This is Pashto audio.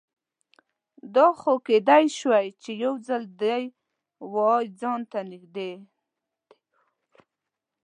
دا خو کیدای شوه چې یوځلې دې وای ځان ته نږدې